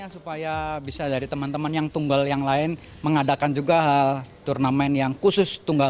supaya bisa dari teman teman yang tunggal yang lain mengadakan juga hal turnamen yang khusus tunggal